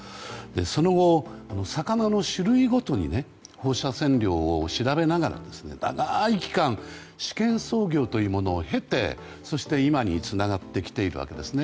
その後、魚の種類ごとに放射線量を調べながら長い期間試験操業というものを経てそして、今につながってきているわけですね。